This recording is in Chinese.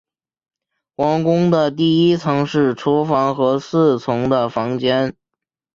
皇宫的第一层是厨房和侍从的房间。